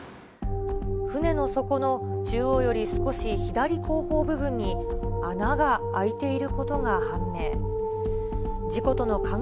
船の底の中央より少し左後方部分に、穴が開いていることが判明。